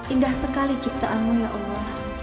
indah sekali ciptaanmu ya allah